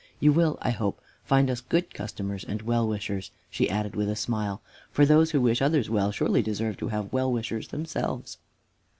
You will, I hope, find us good customers and well wishers," she added, with a smile, "for those who wish others well surely deserve to have well wishers themselves."